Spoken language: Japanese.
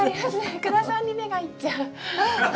福田さんに目がいっちゃう。